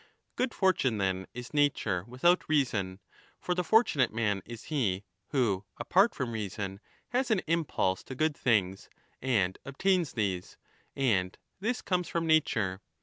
35 Good fortune, then, is nature without reason. For the fortunate man is he who apart from reason has an impulse to good things and obtains these, and this comes from nature.